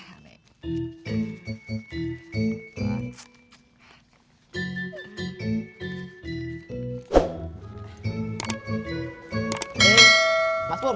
abus tuh biasa juga